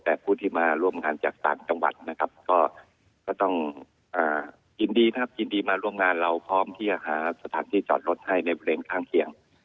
แต่ผู้ที่มาร่วมงานจากต่างจังหวัดนะครับก็ต้องยินดีครับยินดีมาร่วมงานเราพร้อมที่จะหาสถานที่จอดรถให้ในบริเวณข้างเคียง